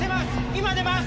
今出ます！